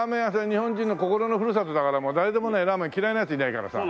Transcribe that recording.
日本人の心のふるさとだからもう誰でもねラーメン嫌いなヤツいないからさ。